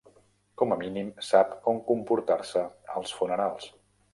Com a mínim sap com comportar-se als funerals.